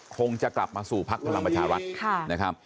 คงจะกลับมาสู่พรรคพลักษณ์บัชวาศ